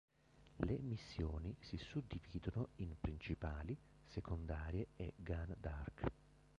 Le Missioni si suddividono in principali, secondarie e Gone Dark.